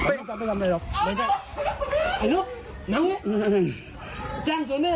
ตายแล้วครับ